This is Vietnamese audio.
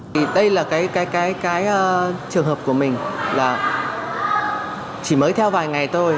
thì đây là cái trường hợp của mình là chỉ mới theo vài ngày thôi